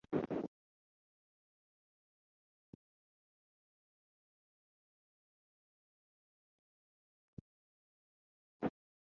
It was the first portable calculating device for engineers, merchants and presumably tax collectors.